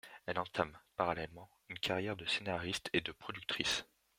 Elle entame, parallèlement, une carrière de scénariste et de productrice.